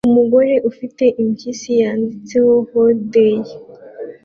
Umugore ufite impyisi-yanditseho hoodie